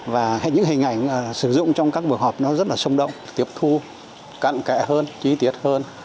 và những hình ảnh sử dụng trong các buổi họp nó rất là sông đông tiếp thu cạn kẹ hơn chi tiết hơn